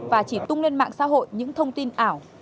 và chỉ tung lên mạng xã hội những thông tin ảo